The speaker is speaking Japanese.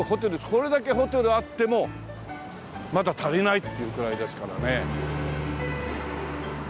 これだけホテルあってもまだ足りないっていうくらいですからね。